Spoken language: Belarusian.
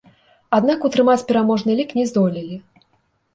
Аднак утрымаць пераможны лік не здолелі.